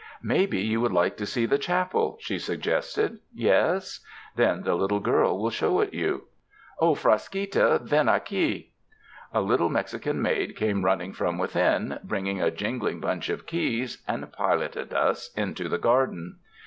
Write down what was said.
''Maybe you would like to see the chapel," she suggested. "Yes? Then the little girl will show it you. Frasquita, ven aqui!" A little Mexican maid came running from within, bringing a jingling bunch of keys, and piloted us into the garden.